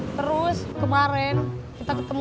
terus kemarin kita ketemu